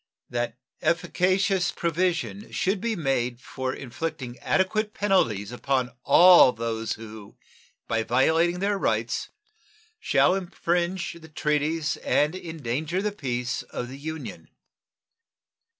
And that efficacious provision should be made for inflicting adequate penalties upon all those who, by violating their rights, shall infringe the treaties and endanger the peace of the Union.